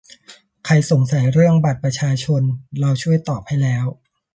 ใครสงสัยเรื่อง บัตรประชาชน เราช่วยตอบให้แล้ว